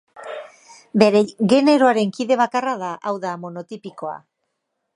Bere generoaren kide bakarra da, hau da, monotipikoa.